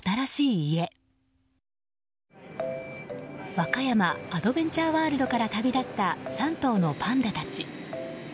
和歌山アドベンチャーワールドから旅立った３頭のパンダたち。